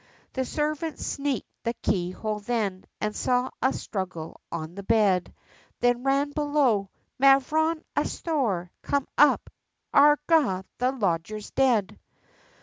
The servant sneaked the key hole then, and saw a struggle on the bed, Then ran below "Mavrone, asthore, come up, agrah, the lodger's dead!"